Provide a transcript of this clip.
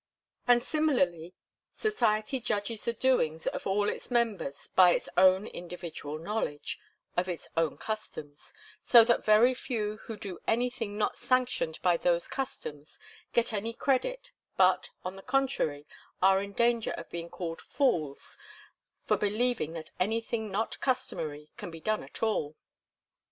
And similarly, society judges the doings of all its members by its own individual knowledge of its own customs, so that very few who do anything not sanctioned by those customs get any credit, but, on the contrary, are in danger of being called fools for believing that anything not customary can be done at all.